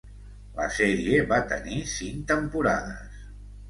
La sèrie va tenir cinc temporades.